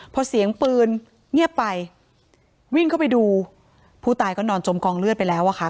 พอเสียงปืนเงียบไปวิ่งเข้าไปดูผู้ตายก็นอนจมกองเลือดไปแล้วอะค่ะ